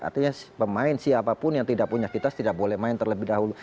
artinya pemain siapapun yang tidak punya kitas tidak boleh main terlebih dahulu